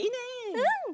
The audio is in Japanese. うん。